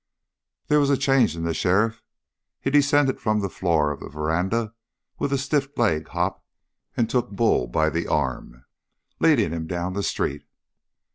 There was a change in the sheriff. He descended from the floor of the veranda with a stiff legged hop and took Bull by the arm, leading him down the street.